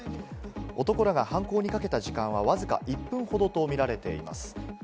男らが犯行にかけた時間はわずか１分ほどとみられています。